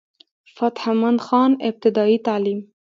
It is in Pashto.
فتح مند خان ابتدائي تعليم